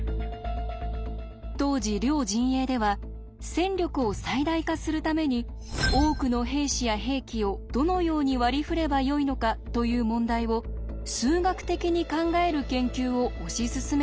当時両陣営では戦力を最大化するために多くの兵士や兵器をどのように割り振ればよいのかという問題を数学的に考える研究を推し進めていました。